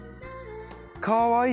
かわいい！